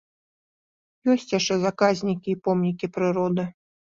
Ёсць яшчэ заказнікі і помнікі прыроды.